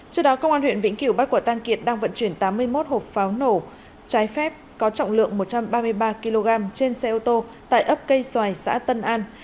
trước đó công an huyện vĩnh kiểu bắt quả tang kiệt đang vận chuyển tám mươi một hộp pháo nổ trái phép có trọng lượng một trăm ba mươi ba kg trên xe ô tô tại ấp cây xoài xã tân an